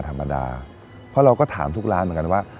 ธรรมดาเพราะเราก็ถามทุกร้านเหมือนกันว่า